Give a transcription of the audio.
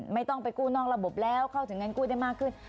ไม่ต้องไปกู้นอกระบบแล้วเข้าถึงเงินกู้ได้มากขึ้น